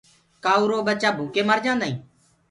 ڪآ ارو ٻچآ ڀوڪي مرجآندآ